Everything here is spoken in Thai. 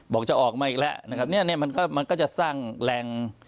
จะออกมาอีกแล้วนะครับเนี่ยมันก็มันก็จะสร้างแรง